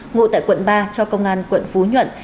ngụ tại quận ba cho công an quận phú nhuận